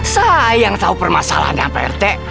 saya yang tau permasalahannya pak rt